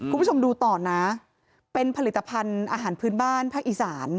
คุณผู้ชมดูต่อนะเป็นผลิตภัณฑ์อาหารพื้นบ้านภาคอีสาน